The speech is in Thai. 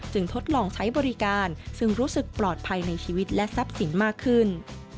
ทดลองใช้บริการซึ่งรู้สึกปลอดภัยในชีวิตและทรัพย์สินมากขึ้น